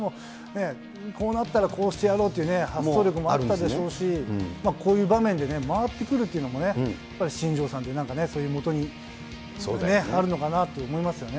こうなったら、こうしてやろうっていう発想力もあったでしょうし、こういう場面でね、回ってくるっていうのも、やっぱり新庄さんって、なんかね、そういうことに、あるのかなと思いますよね。